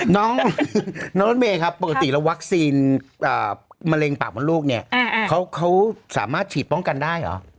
น้องรถเมย์ครับปกติแล้ววัคซีนมะเร็งปากมดลูกเนี่ยเขาสามารถฉีดป้องกันได้เหรอ